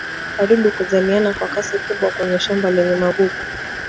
wadudu kuzaliana kwa kasi kubwa kwenye shamba lenye magugu